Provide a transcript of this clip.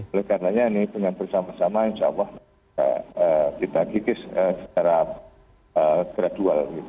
oleh karenanya ini dengan bersama sama insya allah kita kikis secara gradual